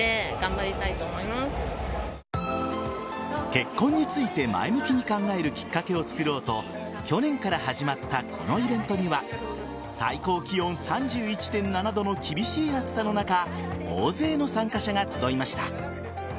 結婚について前向きに考えるきっかけをつくろうと去年から始まったこのイベントには最高気温３１．７度の厳しい暑さの中大勢の参加者が集いました。